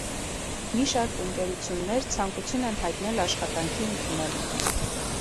Մի շարք ընկերություններ ցանկություն են հայտնել աշխատանքի ընդունել նրան։